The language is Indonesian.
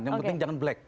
yang penting jangan black